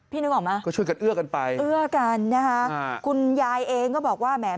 พี่นึกออกไหมครับเอื้อกันนะครับคุณยายเองก็บอกว่าแหม